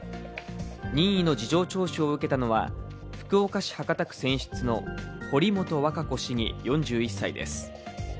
任意の事情聴取を受けたのは福岡市博多区選出の堀本和歌子市議４１歳です。